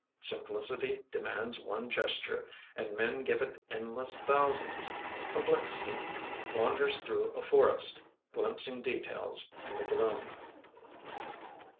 Simplicity demands one gesture And men give it endless thousands. Complexity wanders through a forest, Glimpsing details in the gloom.